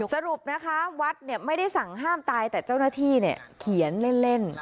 สรุปนะคะวัดไม่ได้สั่งห้ามตายแต่เจ้าหน้าที่เขียนเล่น